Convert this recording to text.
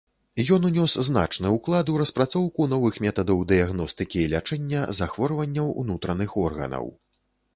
Ён ўнёс значны ўклад у распрацоўку новых метадаў дыягностыкі і лячэння захворванняў унутраных органаў.